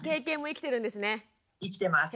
生きてます。